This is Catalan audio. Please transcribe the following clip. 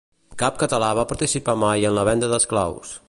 Cap català va participar mai en la venda d'esclaus